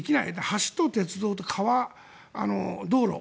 橋と鉄道と川、道路